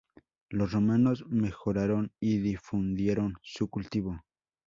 Los romanos mejoraron y difundieron su cultivo.